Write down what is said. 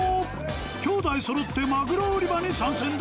兄弟そろってマグロ売り場に参戦だ。